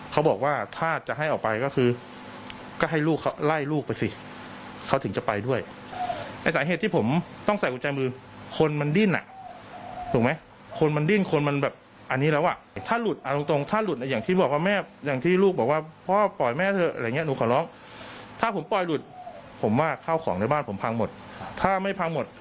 เขาบอกว่าถ้าจะให้ออกไปก็คือก็ให้ลูกเขาไล่ลูกไปสิเขาถึงจะไปด้วยไอ้สาเหตุที่ผมต้องใส่กุญแจมือคนมันดิ้นอ่ะถูกไหมคนมันดิ้นคนมันแบบอันนี้แล้วอ่ะถ้าหลุดเอาตรงตรงถ้าหลุดอ่ะอย่างที่บอกว่าแม่อย่างที่ลูกบอกว่าพ่อปล่อยแม่เถอะอะไรอย่างเงี้หนูขอร้องถ้าผมปล่อยหลุดผมว่าข้าวของในบ้านผมพังหมดถ้าไม่พังหมด